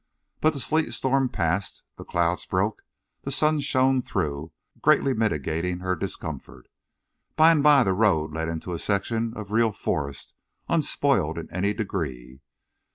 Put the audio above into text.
But the sleet storm passed, the clouds broke, the sun shone through, greatly mitigating her discomfort. By and by the road led into a section of real forest, unspoiled in any degree.